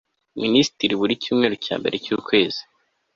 Minisitiri buri cyumweru cya mbere cy ukwezi